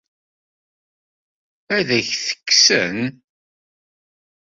Ad ak-t-kksen?